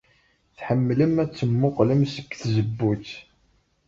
Tḥemmlem ad temmuqqlem seg tzewwut.